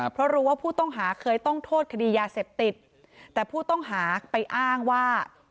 เพราะรู้ว่าผู้ต้องหาเคยต้องโทษคดียาเสพติดแต่ผู้ต้องหาไปอ้างว่า